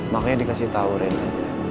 makanya dikasih tau rena